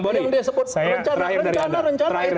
yang disebut rencana rencana itu